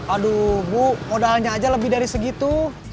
aduh bu modalnya aja lebih dari segitu